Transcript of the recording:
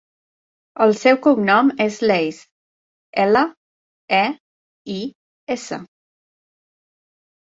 El seu cognom és Leis: ela, e, i, essa.